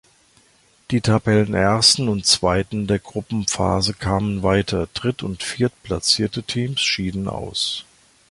Die Tabellenersten und -zweiten der Gruppenphase kamen weiter, dritt- und viertplatzierte Teams schieden aus.